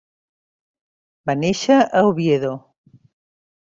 Va néixer a Oviedo.